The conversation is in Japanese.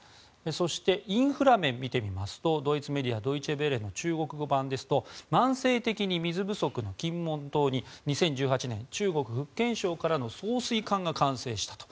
そしてインフラ面を見てみますとドイツメディアドイチェ・ヴェレの中国語版ですと慢性的に水不足の金門島に２０１８年、中国・福建省からの送水管が完成したと。